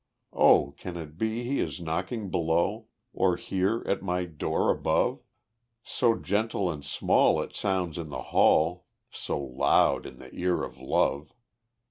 O can it be he is knocking below, Or here at my door above? So gentle and small it sounds in the hall, So loud in the ear of love.